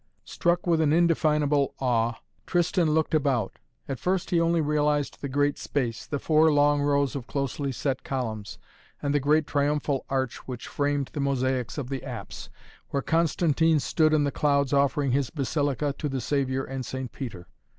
Struck with an indefinable awe Tristan looked about. At first he only realized the great space, the four long rows of closely set columns, and the great triumphal arch which framed the mosaics of the apse, where Constantine stood in the clouds offering his Basilica to the Saviour and St. Peter.